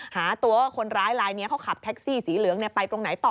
หาตัวคนร้ายลายนี้เขาขับแท็กซี่สีเหลืองไปตรงไหนต่อ